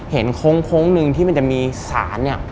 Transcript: เห็นโค้งนึงที่มันจะมีศาลเนี่ย